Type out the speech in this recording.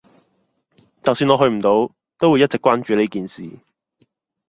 就算我去唔到，都會一直關注呢件事